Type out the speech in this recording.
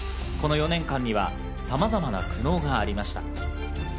この４年間にはさまざまな苦悩がありました。